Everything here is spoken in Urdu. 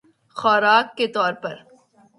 خوراک کے طور پر